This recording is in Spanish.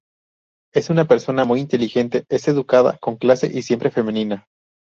Es una persona muy inteligente, es educada, con clase y siempre femenina.